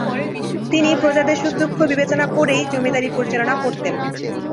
তিনি প্রজাদের সুখ-দুঃখ বিবেচনা করেই জমিদারী পরিচালনা করতেন।